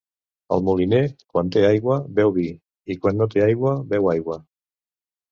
El moliner, quan té aigua, beu vi i quan no té aigua, beu aigua.